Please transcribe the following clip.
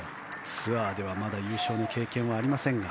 ツアーではまだ優勝の経験がありませんが。